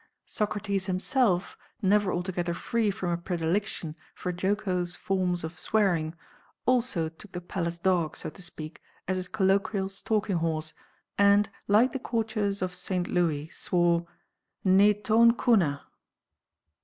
Socrates himself, never altogether free from a predilection for jocose forms of swearing, also took the palace dog, so to speak, as his colloquial stalking horse, and, like the courtiers of St. Louis, swore [Greek: nê ton kuna].